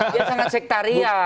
dia sangat sektarian